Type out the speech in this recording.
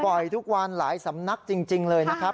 ทุกวันหลายสำนักจริงเลยนะครับ